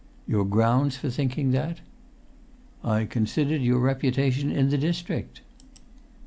"Your grounds for thinking that?" "I considered your reputation in the district."